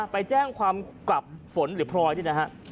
ไปแจ้งความกับฝนหรือพลอย